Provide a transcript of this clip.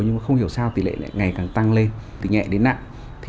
nhưng không hiểu sao tỉ lệ lại ngày càng tăng lên từ nhẹ đến nặng